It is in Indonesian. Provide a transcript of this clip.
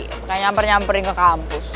nggak nyamper nyamperin ke kampus